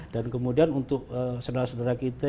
dan kemudian untuk saudara saudara kita